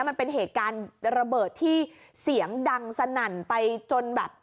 มันเป็นเหตุการณ์ระเบิดที่เสียงดังสนั่นไปจนแบบ